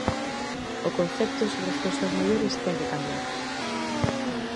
O concepto sobre as persoas maiores ten que cambiar.